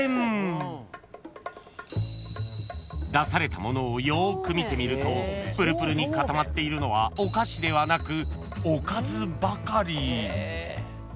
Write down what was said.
［出されたものをよーく見てみるとプルプルに固まっているのはお菓子ではなくおかずばかり］